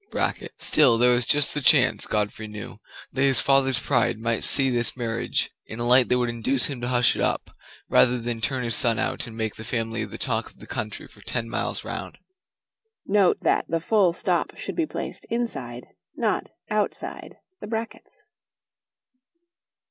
Still there was just the chance, Godfrey thought, that his father's pride might see this marriage in a light that would induce him to hush it up, rather than turn his son out and make the family the talk of the country for ten miles round. Note that the full stop should be placed inside, not outside, the brackets.